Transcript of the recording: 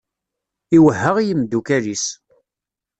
Iwehha i yimeddukal-is.